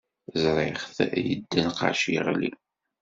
Ẓriɣ-t yendeqqac, yeɣli.